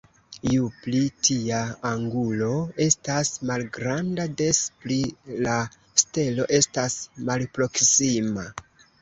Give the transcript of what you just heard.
Ju pli tia angulo estas malgranda, des pli la stelo estas malproksima.